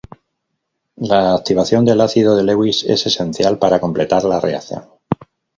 La activación del ácido de Lewis es esencial para completar la reacción.